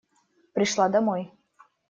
Пришла домой.